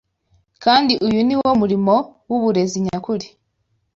kandi uyu ni wo murimo w’uburezi nyakuri